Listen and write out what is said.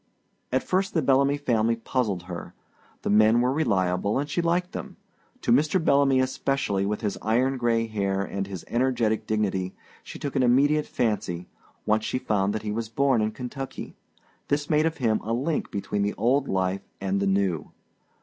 At first the Bellamy family puzzled her. The men were reliable and she liked them; to Mr. Bellamy especially, with his iron gray hair and energetic dignity, she took an immediate fancy, once she found that he was born in Kentucky; this made of him a link between the old life and the new.